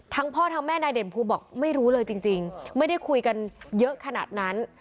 พ่อทั้งแม่นายเด่นภูมิบอกไม่รู้เลยจริงไม่ได้คุยกันเยอะขนาดนั้น